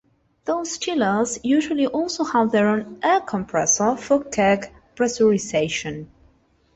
Those chillers usually also have their own air compressor for keg pressurization.